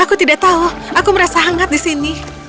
aku tidak tahu aku merasa hangat di sini